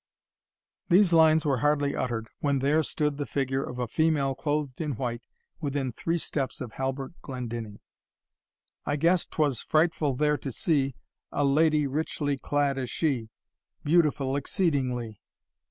These lines were hardly uttered, when there stood the figure of a female clothed in white, within three steps of Halbert Glendinning. "I guess'twas frightful there to see A lady richly clad as she Beautiful exceedingly."